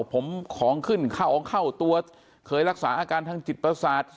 ผมของขึ้นเข้าของเข้าตัวเคยรักษาอาการทางจิตประสาท